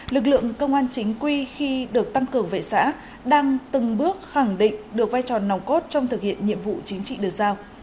lực lượng công an chính quy khi được tăng cường vệ xã đang từng bước khẳng định được vai trò nòng cốt trong thực hiện nhiệm vụ chính trị được giao